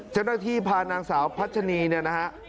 เช่นเมื่อพานางสาวพัชนีนะฮะ